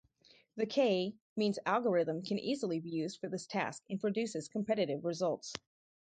The "k"-means algorithm can easily be used for this task and produces competitive results.